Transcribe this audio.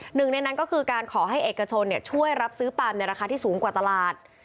หนึ่งในนั้นก็คือการขอให้เอกชนช่วยรับซื้อปลามในราคาที่สูงกว่าตลาด